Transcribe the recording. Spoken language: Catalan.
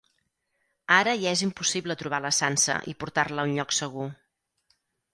Ara ja és impossible trobar la Sansa i portar-la a un lloc segur.